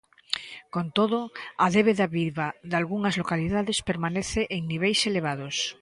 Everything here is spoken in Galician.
Con todo, a débeda viva dalgunhas localidades permanece en niveis elevados.